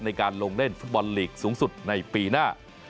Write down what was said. ในการลงเล่นฟุตบอลลีกสูงสุดในปีหน้า